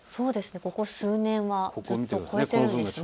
ここ数年はずっと超えているんですね。